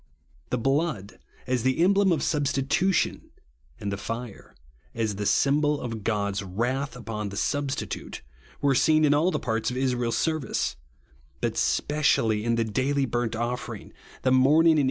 The blood, as the emblem of substitution, and the fire, as the symbol of God's wrath upon the substitute, were seen in all the parts of Israel's service ; but specially in the daily burnt offering, the morning and THE BLOOD OF Sl'RINKLllNU.